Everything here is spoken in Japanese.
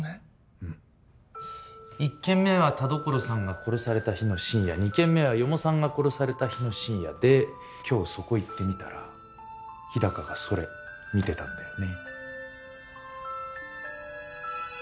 うん１件目は田所さんが殺された日の深夜２件目は四方さんが殺された日の深夜で今日そこ行ってみたら日高がそれ見てたんだよね